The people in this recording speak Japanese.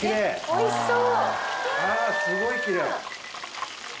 おいしそう！